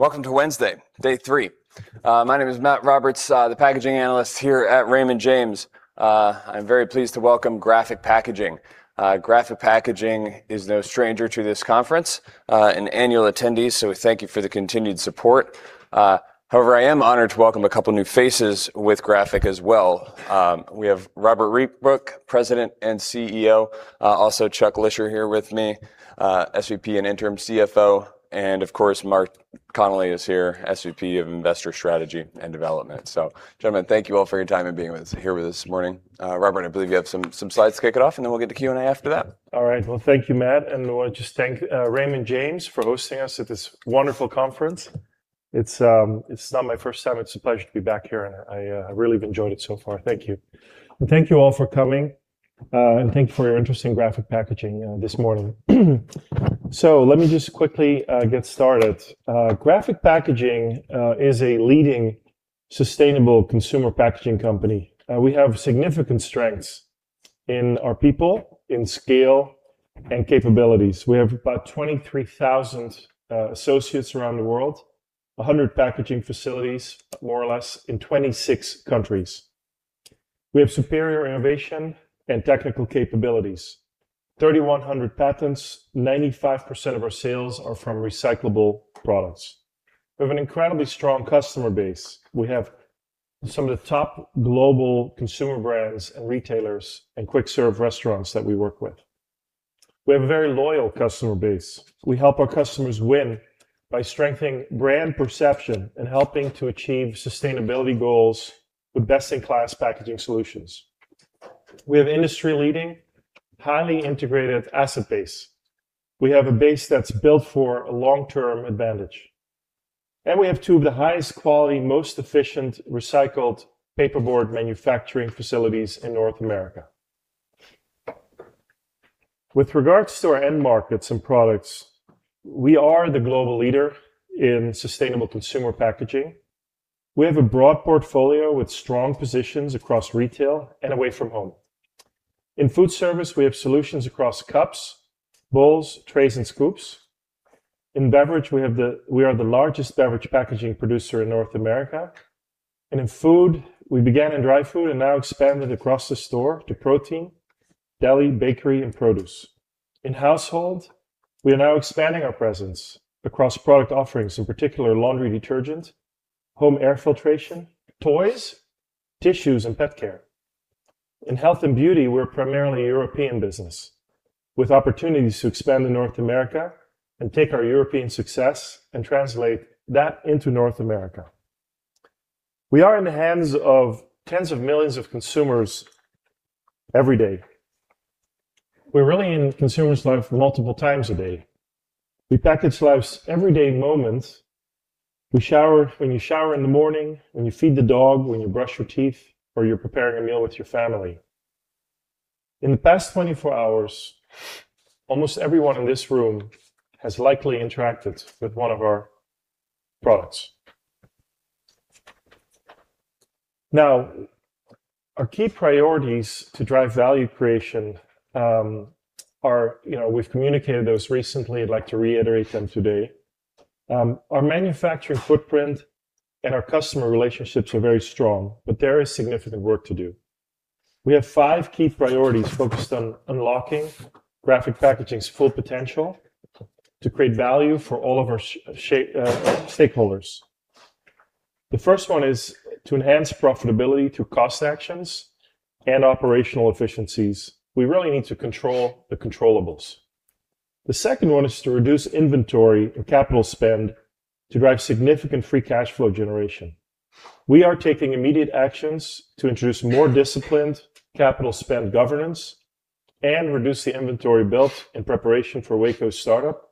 Welcome to Wednesday, day three. My name is Matt Roberts, the packaging analyst here at Raymond James. I'm very pleased to welcome Graphic Packaging. Graphic Packaging is no stranger to this conference, an annual attendee. Thank you for the continued support. However, I am honored to welcome a couple new faces with Graphic as well. We have Robbert Rietbroek, President and CEO. Also Chuck Lischer here with me, SVP and Interim CFO, and of course, Mark Connelly is here, SVP of Investor Strategy and Development. Gentlemen, thank you all for your time and being here with us this morning. Robbert, I believe you have some slides to kick it off. Then we'll get to Q&A after that. All right. Well, thank you, Matt. I want to just thank Raymond James for hosting us at this wonderful conference. It's not my first time. It's a pleasure to be back here. I really have enjoyed it so far. Thank you. Thank you all for coming. Thank you for your interest in Graphic Packaging this morning. Let me just quickly get started. Graphic Packaging is a leading sustainable consumer packaging company. We have significant strengths in our people, in scale and capabilities. We have about 23,000 associates around the world, 100 packaging facilities, more or less, in 26 countries. We have superior innovation and technical capabilities. 3,100 patents. 95% of our sales are from recyclable products. We have an incredibly strong customer base. We have some of the top global consumer brands and retailers and quick-serve restaurants that we work with. We have a very loyal customer base. We help our customers win by strengthening brand perception and helping to achieve sustainability goals with best-in-class packaging solutions. We have industry-leading, highly integrated asset base. We have a base that's built for a long-term advantage. We have two of the highest quality, most efficient recycled paperboard manufacturing facilities in North America. With regards to our end markets and products, we are the global leader in sustainable consumer packaging. We have a broad portfolio with strong positions across retail and away from home. In food service, we have solutions across cups, bowls, trays and scoops. In beverage, we are the largest beverage packaging producer in North America. In food, we began in dry food and now expanded across the store to protein, deli, bakery and produce. In household, we are now expanding our presence across product offerings, in particular laundry detergent, home air filtration, toys, tissues and pet care. In health and beauty, we're primarily a European business with opportunities to expand in North America and take our European success and translate that into North America. We are in the hands of tens of millions of consumers every day. We're really in consumers' life multiple times a day. We package life's everyday moments. When you shower in the morning, when you feed the dog, when you brush your teeth or you're preparing a meal with your family. In the past 24 hours, almost everyone in this room has likely interacted with one of our products. Our key priorities to drive value creation, you know, are, we've communicated those recently. I'd like to reiterate them today. Our manufacturing footprint and our customer relationships are very strong, there is significant work to do. We have five key priorities focused on unlocking Graphic Packaging's full potential to create value for all of our stakeholders. The first one is to enhance profitability through cost actions and operational efficiencies. We really need to control the controllables. The second one is to reduce inventory and capital spend to drive significant free cash flow generation. We are taking immediate actions to introduce more disciplined capital spend governance and reduce the inventory built in preparation for Waco startup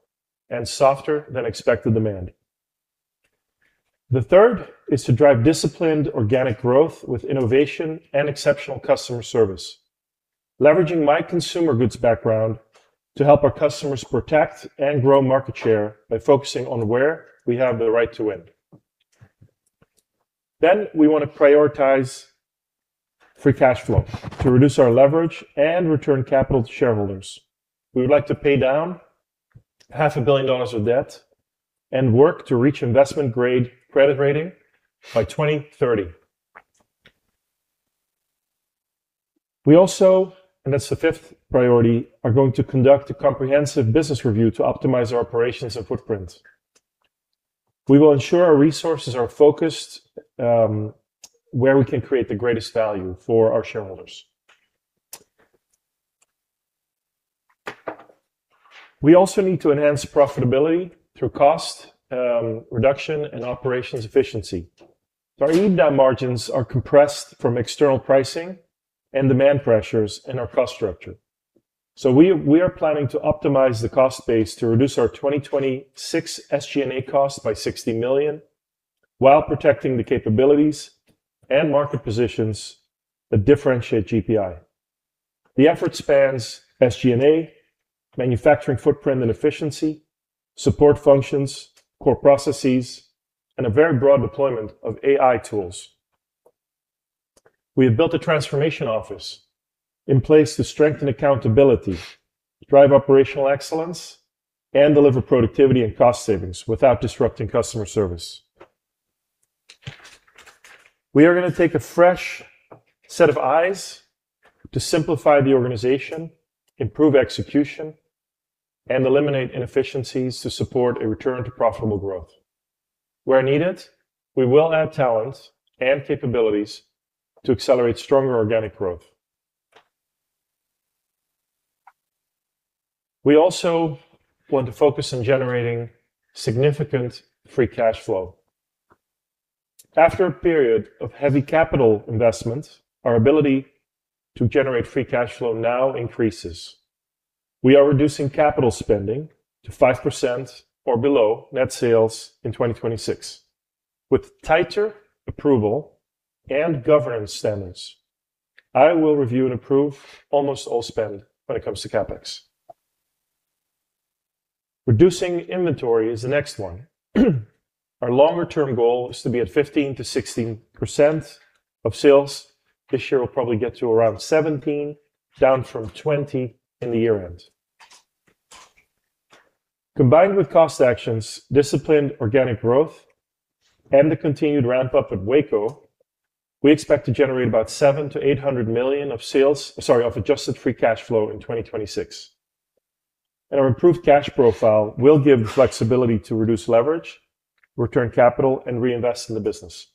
and softer than expected demand. The third is to drive disciplined organic growth with innovation and exceptional customer service, leveraging my consumer goods background to help our customers protect and grow market share by focusing on where we have the right to win. We wanna prioritize free cash flow to reduce our leverage and return capital to shareholders. We would like to pay down half a billion dollars of debt and work to reach investment-grade credit rating by 2030. We also, and that's the fifth priority, are going to conduct a comprehensive business review to optimize our operations and footprint. We will ensure our resources are focused where we can create the greatest value for our shareholders. We also need to enhance profitability through cost reduction and operations efficiency. Our EBITDA margins are compressed from external pricing and demand pressures in our cost structure. We are planning to optimize the cost base to reduce our 2026 SG&A costs by $60 million while protecting the capabilities and market positions that differentiate GPI. The effort spans SG&A, manufacturing footprint and efficiency, support functions, core processes, and a very broad deployment of AI tools. We have built a transformation office in place to strengthen accountability, drive operational excellence, and deliver productivity and cost savings without disrupting customer service. We are going to take a fresh set of eyes to simplify the organization, improve execution, and eliminate inefficiencies to support a return to profitable growth. Where needed, we will add talent and capabilities to accelerate stronger organic growth. We also want to focus on generating significant free cash flow. After a period of heavy capital investment, our ability to generate free cash flow now increases. We are reducing capital spending to 5% or below net sales in 2026 with tighter approval and governance standards. I will review and approve almost all spend when it comes to CapEx. Reducing inventory is the next one. Our longer-term goal is to be at 15%-16% of sales. This year, we'll probably get to around 17%, down from 20% in the year-end. Combined with cost actions, disciplined organic growth, and the continued ramp-up at Waco, we expect to generate about $700 million-$800 million of adjusted free cash flow in 2026. Our improved cash profile will give flexibility to reduce leverage, return capital, and reinvest in the business.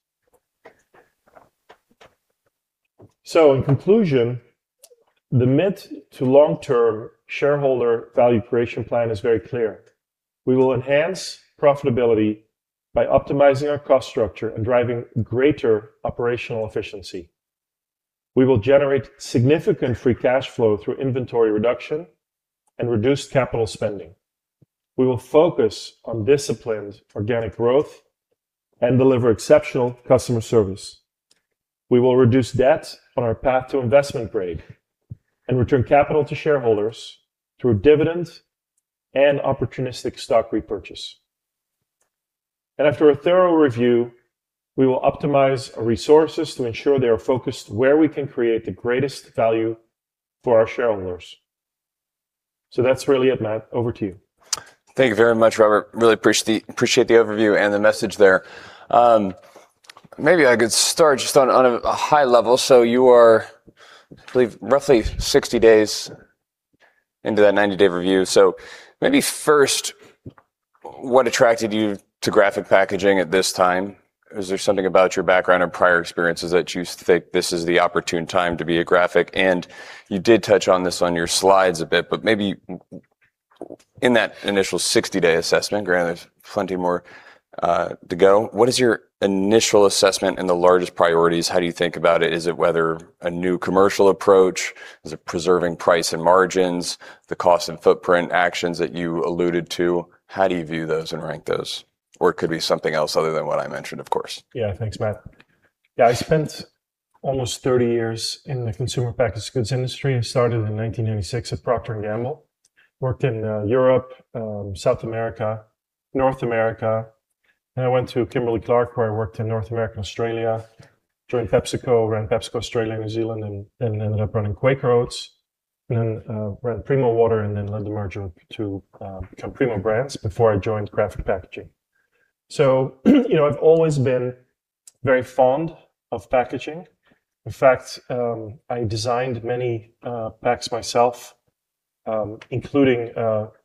In conclusion, the mid to long-term shareholder value creation plan is very clear. We will enhance profitability by optimizing our cost structure and driving greater operational efficiency. We will generate significant free cash flow through inventory reduction and reduce capital spending. We will focus on disciplined organic growth and deliver exceptional customer service. We will reduce debt on our path to investment-grade and return capital to shareholders through dividends and opportunistic stock repurchase. After a thorough review, we will optimize our resources to ensure they are focused where we can create the greatest value for our shareholders. That's really it, Matt. Over to you. Thank you very much, Robbert. Really appreciate the overview and the message there. Maybe I could start just on a high level. You are, I believe, roughly 60 days into that 90-day review. Maybe first, what attracted you to Graphic Packaging at this time? Is there something about your background or prior experiences that you think this is the opportune time to be at Graphic? You did touch on this on your slides a bit, but maybe in that initial 60-day assessment, granted there's plenty more to go, what is your initial assessment and the largest priorities? How do you think about it? Is it whether a new commercial approach? Is it preserving price and margins, the cost and footprint actions that you alluded to? How do you view those and rank those? It could be something else other than what I mentioned, of course. Yeah. Thanks, Matt. Yeah, I spent almost 30 years in the consumer packaged goods industry, and started in 1996 at Procter & Gamble. Worked in Europe, South America, North America, and I went to Kimberly-Clark, where I worked in North America and Australia. Joined PepsiCo, ran PepsiCo Australia and New Zealand, and then ended up running Quaker Oats, and then ran Primo Water, and then led the merger to become Primo Brands before I joined Graphic Packaging. You know, I've always been very fond of packaging. In fact, I designed many packs myself, including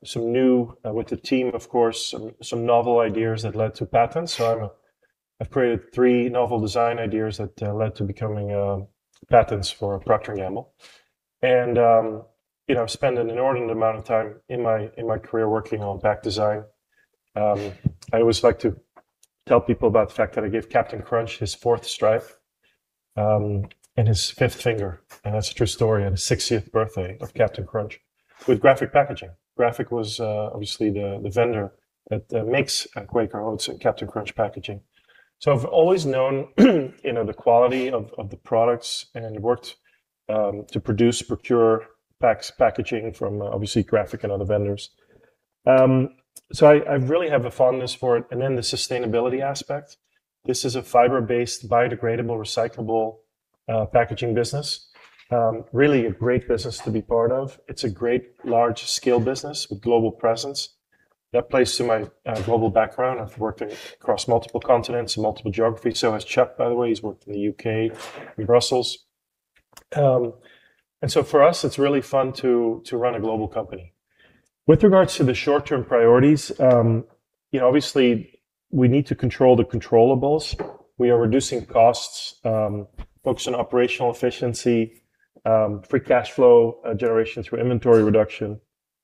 some new, with the team, of course, some novel ideas that led to patents. I've created three novel design ideas that led to becoming patents for Procter & Gamble. You know, I've spent an inordinate amount of time in my, in my career working on pack design. I always like to tell people about the fact that I gave Cap'n Crunch his fourth stripe, and his fifth finger, and that's a true story, on the 60th birthday of Cap'n Crunch with Graphic Packaging. Graphic was obviously the vendor that makes Quaker Oats and Cap'n Crunch packaging. I've always known, you know, the quality of the products and worked to produce, procure packs, packaging from obviously Graphic and other vendors. I really have a fondness for it. The sustainability aspect. This is a fiber-based, biodegradable, recyclable packaging business. Really a great business to be part of. It's a great large-scale business with global presence. That plays to my global background. I've worked across multiple continents and multiple geographies, and so has Chuck, by the way. He's worked in the U.K. and Brussels. For us, it's really fun to run a global company. With regards to the short-term priorities, you know, obviously we need to control the controllables. We are reducing costs, focusing on operational efficiency, free cash flow generation through inventory reduction,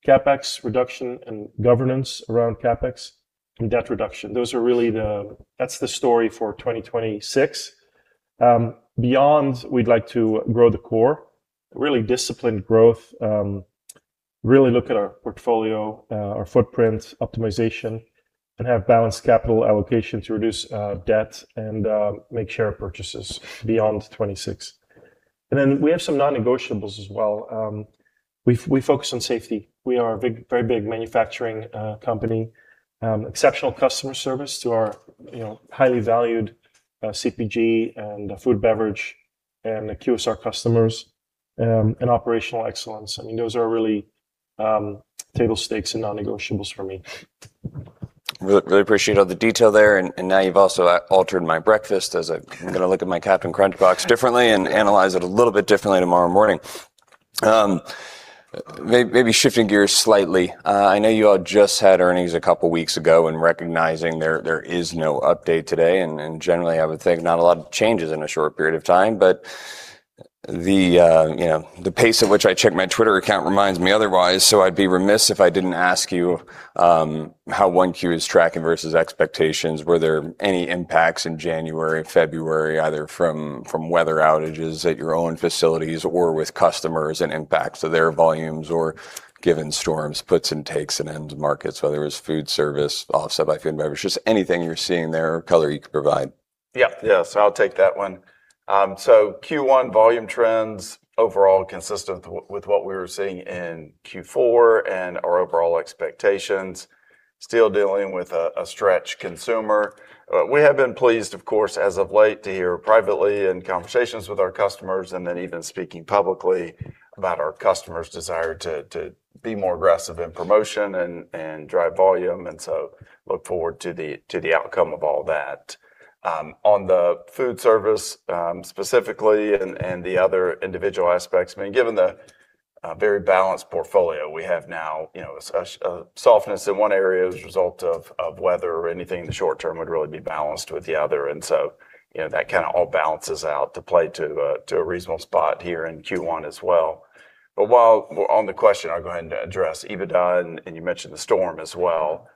CapEx reduction, and governance around CapEx and debt reduction. Those are really that's the story for 2026. Beyond, we'd like to grow the core, really disciplined growth, really look at our portfolio, our footprint optimization, and have balanced capital allocation to reduce debt and make share purchases beyond 2026. We have some non-negotiables as well. We focus on safety. We are a big, very big manufacturing company. Exceptional customer service to our, you know, highly valued, CPG and food beverage and QSR customers, and operational excellence. I mean, those are really, table stakes and non-negotiables for me. Really appreciate all the detail there and now you've also altered my breakfast as I'm gonna look at my Cap'n Crunch box differently and analyze it a little bit differently tomorrow morning. Maybe shifting gears slightly, I know you all just had earnings a couple weeks ago and recognizing there is no update today and generally I would think not a lot of changes in a short period of time. The, you know, the pace at which I check my Twitter account reminds me otherwise, so I'd be remiss if I didn't ask you how 1Q is tracking versus expectations. Were there any impacts in January and February, either from weather outages at your own facilities or with customers and impacts to their volumes? Given storms, puts and takes in end markets, whether it's food service, offset by food and beverage, just anything you're seeing there or color you could provide. Yeah. Yeah. I'll take that one. Q1 volume trends overall consistent with what we were seeing in Q4 and our overall expectations, still dealing with a stretch consumer. We have been pleased, of course, as of late to hear privately in conversations with our customers and then even speaking publicly about our customers' desire to be more aggressive in promotion and drive volume, look forward to the outcome of all that. On the food service, specifically and the other individual aspects, I mean, given the very balanced portfolio we have now, you know, a softness in one area as a result of weather or anything in the short term would really be balanced with the other. You know, that kinda all balances out to play to a reasonable spot here in Q1 as well. While on the question, I'll go ahead and address EBITDA and you mentioned the storm as well.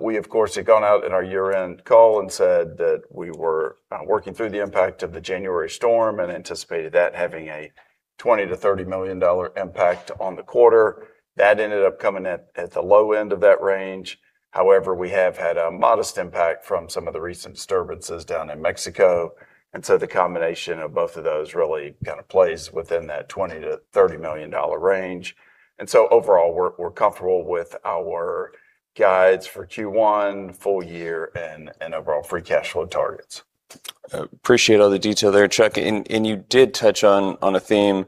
We of course, had gone out in our year-end call and said that we were working through the impact of the January storm and anticipated that having a $20 million-$30 million impact on the quarter. That ended up coming at the low end of that range. However, we have had a modest impact from some of the recent disturbances down in Mexico, the combination of both of those really kind of plays within that $20 million-$30 million range. Overall we're comfortable with our guides for Q1 full year and overall free cash flow targets. Appreciate all the detail there, Chuck. And you did touch on a theme,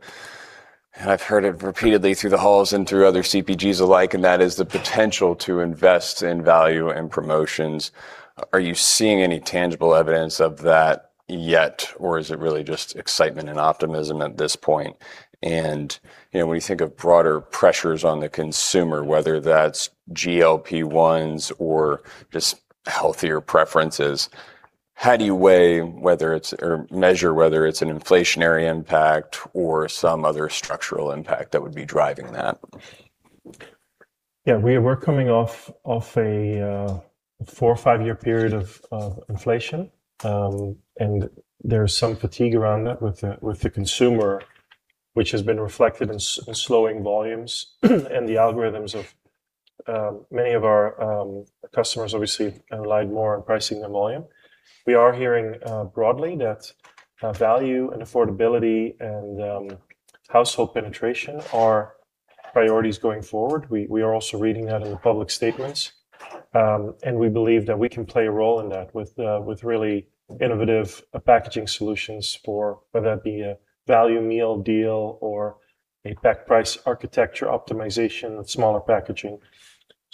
and I've heard it repeatedly through the halls and through other CPGs alike, and that is the potential to invest in value and promotions. Are you seeing any tangible evidence of that yet, or is it really just excitement and optimism at this point? You know, when you think of broader pressures on the consumer, whether that's GLP-1s or just healthier preferences, how do you weigh or measure whether it's an inflationary impact or some other structural impact that would be driving that? Yeah. We're coming off of a four or five-year period of inflation. There's some fatigue around that with the consumer, which has been reflected in slowing volumes and the algorithms of many of our customers obviously relied more on pricing than volume. We are hearing broadly that value and affordability and household penetration are priorities going forward. We are also reading that in the public statements. We believe that we can play a role in that with really innovative packaging solutions for whether that be a value meal deal or a price pack architecture optimization with smaller packaging.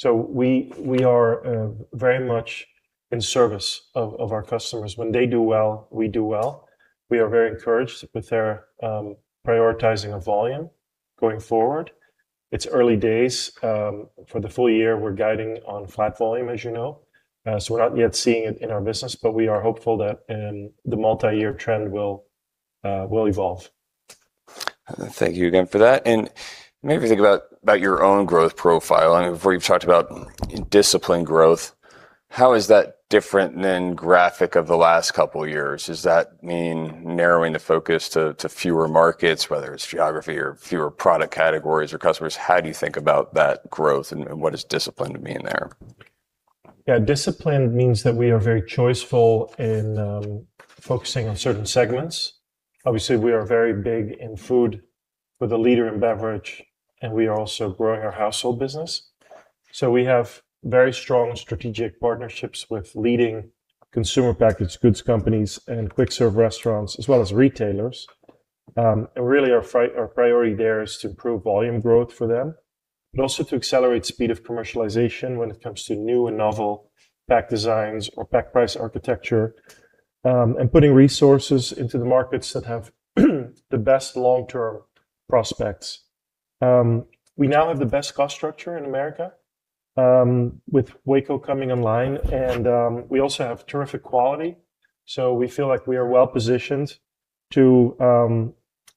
We are very much in service of our customers. When they do well, we do well. We are very encouraged with their prioritizing of volume going forward. It's early days. For the full year, we're guiding on flat volume, as you know. We're not yet seeing it in our business, but we are hopeful that the multi-year trend will evolve. Thank you again for that. Maybe think about your own growth profile. I know before you've talked about disciplined growth. How is that different than Graphic of the last couple of years? Does that mean narrowing the focus to fewer markets, whether it's geography or fewer product categories or customers? How do you think about that growth and what does discipline mean there? Yeah. Discipline means that we are very choiceful in focusing on certain segments. Obviously, we are very big in food. We're the leader in beverage, and we are also growing our household business. We have very strong strategic partnerships with leading consumer packaged goods companies and quick serve restaurants, as well as retailers. Really our priority there is to improve volume growth for them, but also to accelerate speed of commercialization when it comes to new and novel pack designs or price pack architecture, and putting resources into the markets that have the best long-term prospects. We now have the best cost structure in America, with Waco coming online and we also have terrific quality, so we feel like we are well-positioned to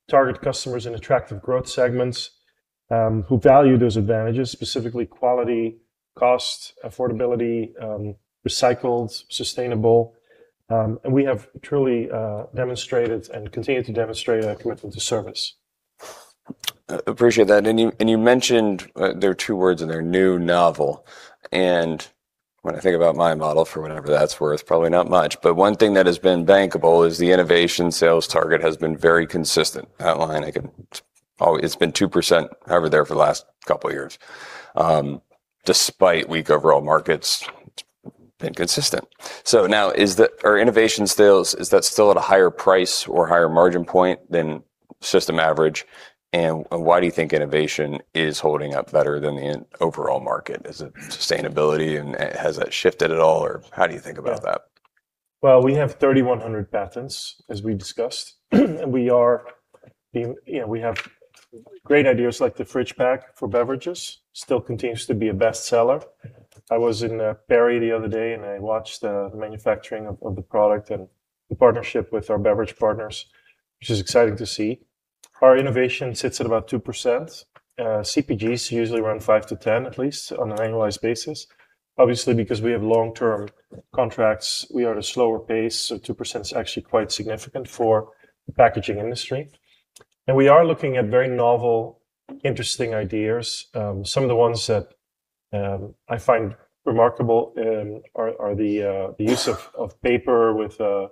target customers in attractive growth segments who value those advantages, specifically quality, cost, affordability, recycled, sustainable. We have truly demonstrated and continue to demonstrate our commitment to service. Appreciate that. You, and you mentioned there are two words in there, new, novel, and when I think about my model for whatever that's worth, probably not much, but one thing that has been bankable is the innovation sales target has been very consistent. That line it's been 2% however there for the last couple years. Despite weak overall markets, it's been consistent. Are innovation sales, is that still at a higher price or higher margin point than system average? Why do you think innovation is holding up better than the overall market? Is it sustainability and has that shifted at all, or how do you think about that? We have 3,100 patents, as we discussed. You know, we have great ideas like the Fridge Pack for beverages, still continues to be a best seller. I was in Perry the other day, I watched the manufacturing of the product and the partnership with our beverage partners, which is exciting to see. Our innovation sits at about 2%. CPGs usually run 5%-10% at least on an annualized basis. Obviously, because we have long-term contracts, we are at a slower pace, so 2% is actually quite significant for the packaging industry. We are looking at very novel, interesting ideas. Some of the ones that I find remarkable are the use of paper with a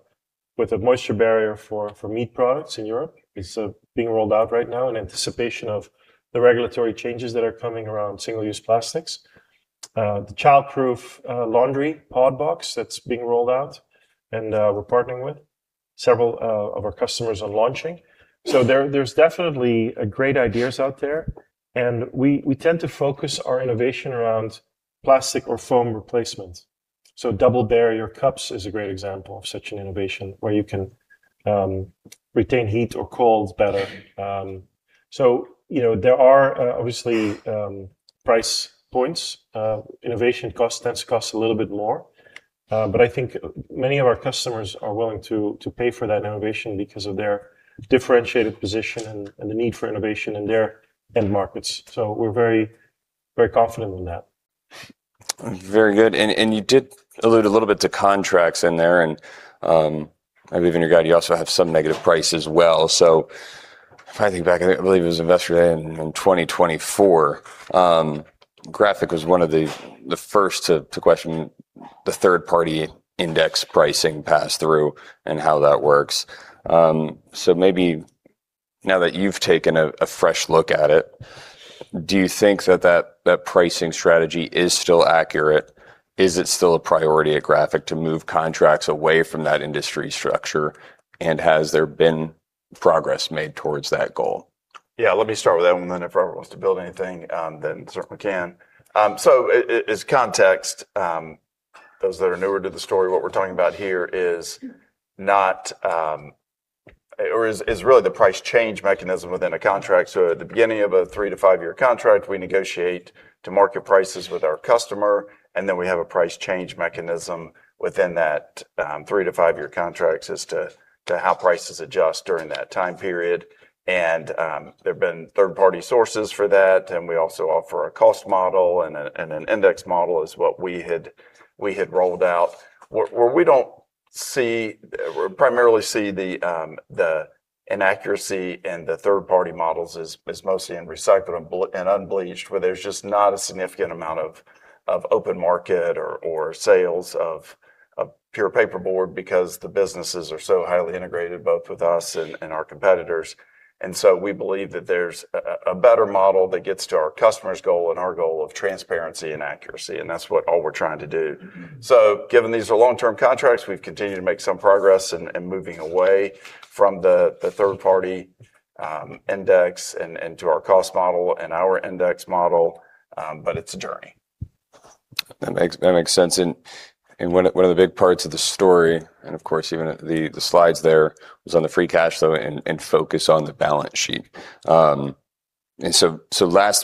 moisture barrier for meat products in Europe. It's being rolled out right now in anticipation of the regulatory changes that are coming around single-use plastics. The child-proof laundry pod box that's being rolled out and we're partnering with several of our customers on launching. There's definitely great ideas out there and we tend to focus our innovation around plastic or foam replacement. Double barrier cups is a great example of such an innovation where you can retain heat or cold better. You know, there are obviously price points. Innovation costs, tends to cost a little bit more, but I think many of our customers are willing to pay for that innovation because of their differentiated position and the need for innovation in their end markets. We're very confident in that. Very good. You did allude a little bit to contracts in there and, I believe in your guide you also have some negative price as well. If I think back, I believe it was Investor Day in 2024, Graphic was one of the first to question the third-party index pricing pass-through and how that works. Maybe now that you've taken a fresh look at it, do you think that pricing strategy is still accurate? Is it still a priority at Graphic to move contracts away from that industry structure? Has there been progress made towards that goal? Yeah, let me start with that one, then if Robbert wants to build anything, then certainly can. As context, those that are newer to the story, what we're talking about here is not, or is really the price change mechanism within a contract. So at the beginning of a three to five-year contract, we negotiate to market prices with our customer, and then we have a price change mechanism within that three to five-year contracts as to how prices adjust during that time period. There have been third-party sources for that, and we also offer a cost model and an index model is what we had rolled out. Where we don't see, primarily see the inaccuracy in the third party models is mostly in recycled and unbleached, where there's just not a significant amount of open market or sales of pure paperboard because the businesses are so highly integrated, both with us and our competitors. We believe that there's a better model that gets to our customers' goal and our goal of transparency and accuracy. That's what all we're trying to do. Given these are long-term contracts, we've continued to make some progress in moving away from the third party index and to our cost model and our index model. But it's a journey. That makes sense. One of the big parts of the story, and of course even the slides there, was on the free cash flow and focus on the balance sheet. Last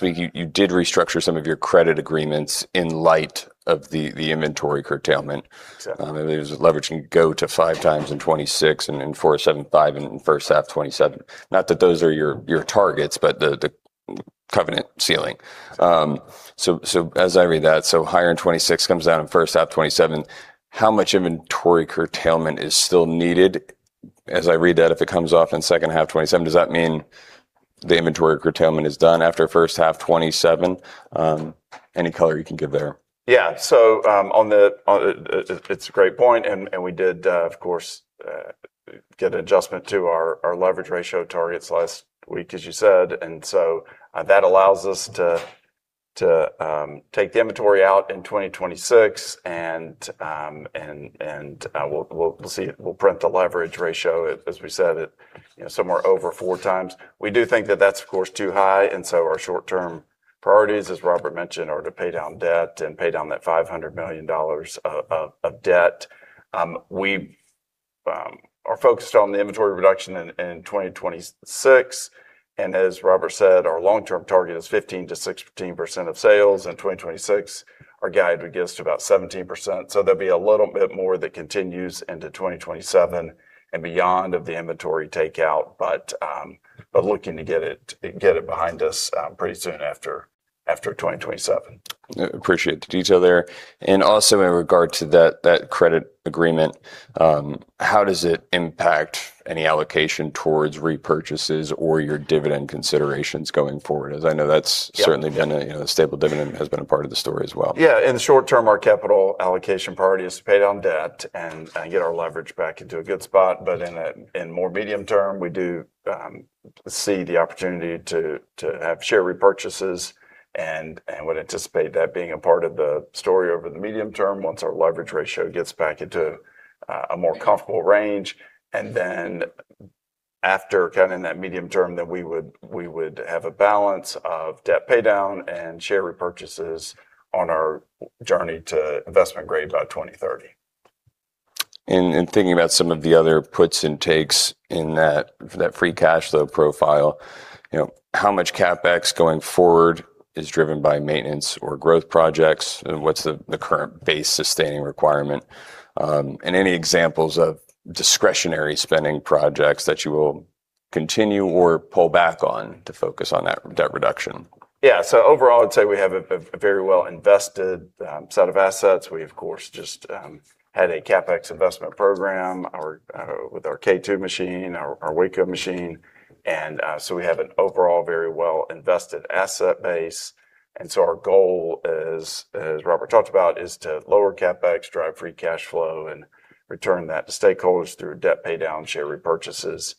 week you did restructure some of your credit agreements in light of the inventory curtailment. Exactly. It was leveraging go to 5x in 2026 and in 4.75x in first half 2027. Not that those are your targets, but the covenant ceiling. As I read that, higher in 2026 comes down in first half 2027. How much inventory curtailment is still needed? As I read that, if it comes off in second half 2027, does that mean the inventory curtailment is done after first half 2027? Any color you can give there? It's a great point, and we did, of course, get an adjustment to our leverage ratio targets last week, as you said. That allows us to take the inventory out in 2026 and we'll see. We'll print the leverage ratio as we said at, you know, somewhere over 4x. We do think that that's of course too high, our short term priorities, as Robbert mentioned, are to pay down debt and pay down that $500 million of debt. We are focused on the inventory reduction in 2026. As Robbert said, our long term target is 15%-16% of sales. In 2026, our guide would get us to about 17%. There'll be a little bit more that continues into 2027 and beyond of the inventory takeout. But looking to get it behind us pretty soon after 2027. Appreciate the detail there. Also in regard to that credit agreement, how does it impact any allocation towards repurchases or your dividend considerations going forward? As I know that's Yeah Certainly been a, you know, stable dividend has been a part of the story as well. Yeah. In the short term, our capital allocation priority is to pay down debt and get our leverage back into a good spot. In more medium term, we do see the opportunity to have share repurchases and would anticipate that being a part of the story over the medium term once our leverage ratio gets back into a more comfortable range. After kind of in that medium term that we would have a balance of debt pay down and share repurchases on our journey to investment grade by 2030. Thinking about some of the other puts and takes in that free cash flow profile, you know, how much CapEx going forward is driven by maintenance or growth projects, and what's the current base sustaining requirement? Any examples of discretionary spending projects that you will continue or pull back on to focus on that debt reduction? Yeah. Overall, I'd say we have a very well invested set of assets. We of course just had a CapEx investment program with our K2 machine, our Waco machine. We have an overall very well invested asset base. Our goal as Robbert talked about, is to lower CapEx, drive free cash flow, and return that to stakeholders through debt pay down, share repurchases.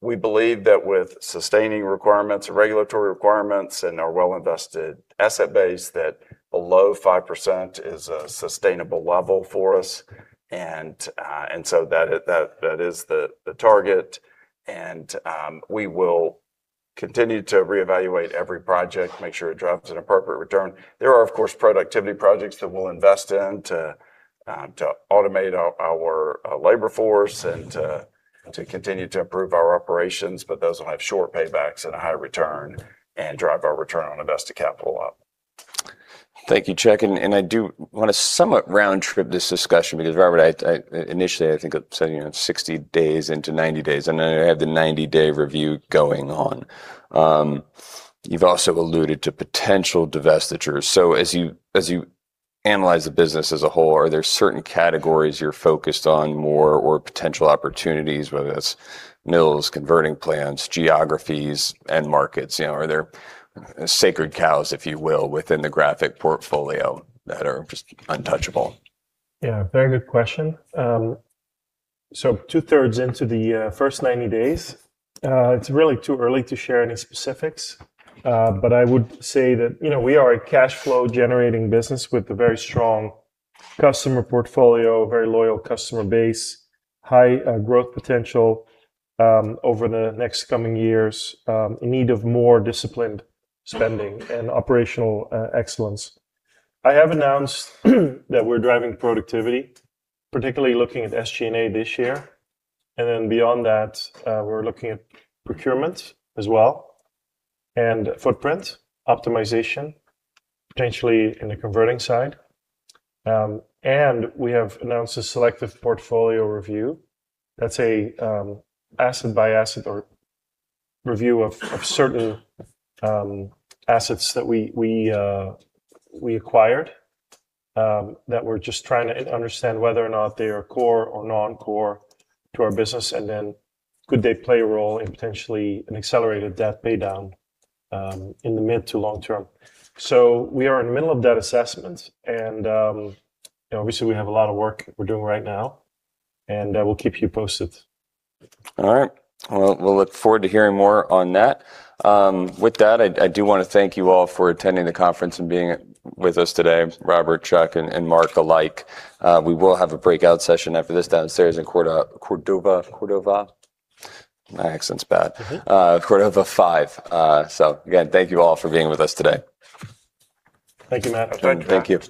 We believe that with sustaining requirements or regulatory requirements and our well invested asset base, that below 5% is a sustainable level for us. That is the target. We will continue to reevaluate every project, make sure it drives an appropriate return. There are of course productivity projects that we'll invest in to automate our labor force and to continue to improve our operations. Those will have short paybacks and a high return and drive our return on invested capital up. Thank you, Chuck. I do wanna somewhat round trip this discussion because Robbert, I initially I think said, you know, 60 days into 90 days, and I have the 90-day review going on. You've also alluded to potential divestitures. As you analyze the business as a whole, are there certain categories you're focused on more or potential opportunities, whether that's mills, converting plants, geographies, end markets? You know, are there sacred cows, if you will, within the Graphic portfolio that are just untouchable? Very good question. Two-thirds into the first 90 days, it's really too early to share any specifics. I would say that, you know, we are a cash flow generating business with a very strong customer portfolio, very loyal customer base, high growth potential over the next coming years, in need of more disciplined spending and operational excellence. I have announced that we're driving productivity, particularly looking at SG&A this year. Beyond that, we're looking at procurement as well, and footprint optimization, potentially in the converting side. We have announced a selective portfolio review. That's a, asset-by-asset or review of certain assets that we acquired, that we're just trying to understand whether or not they are core or non-core to our business, and then could they play a role in potentially an accelerated debt pay down in the mid to long term. We are in the middle of that assessment, and, you know, obviously we have a lot of work we're doing right now, and we'll keep you posted. All right. Well, we'll look forward to hearing more on that. With that, I do wanna thank you all for attending the conference and being with us today, Robbert, Chuck, and Mark alike. We will have a breakout session after this downstairs in Cordova. Cordova? My accent's bad. Cordova 5. Again, thank you all for being with us today. Thank you, Matt. Thank you.